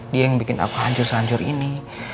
dia yang bikin aku hancur hancur ini